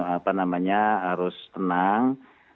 apa namanya harus tenang